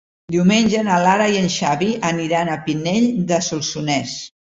Diumenge na Lara i en Xavi aniran a Pinell de Solsonès.